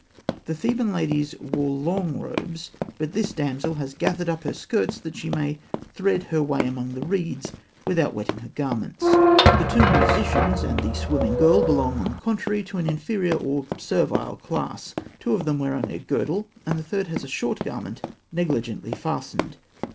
The Theban ladies wore long robes; but this damsel has gathered up her skirts that she may thread her way among the reeds without wetting her garments. The two musicians and the swimming girl belong, on the contrary, to an inferior, or servile, class. Two of them wear only a girdle, and the third has a short garment negligently fastened.